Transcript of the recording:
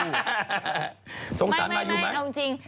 น้องสงสารมาอยู่มั้ยฮาวไม่เอาจริง